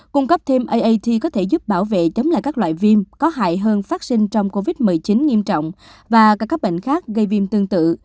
cung cấp thêm art có thể giúp bảo vệ chấm lại các loại viêm có hại hơn phát sinh trong covid một mươi chín nghiêm trọng và các bệnh khác gây viêm tương tự